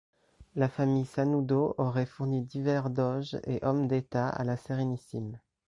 La famille Sanudo aurait fourni divers doges et hommes d'État à la Sérénissime.